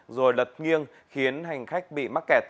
rồi lật nghiêng khiến hành khách bị mắc kẹt